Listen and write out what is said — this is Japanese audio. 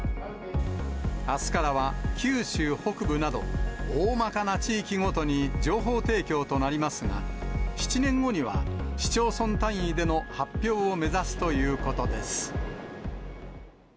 あすからは九州北部など、大まかな地域ごとに情報提供となりますが、７年後には市町村単位での発表を目指すということです。